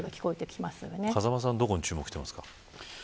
風間さんはどこに注目していますか。